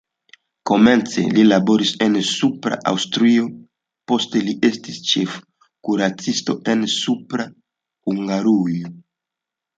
Komence li laboris en Supra Aŭstrio, poste li estis ĉefkuracisto en Supra Hungarujo.